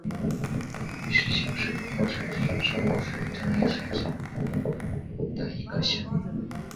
余师乡是中国陕西省商洛市镇安县下辖的一个乡。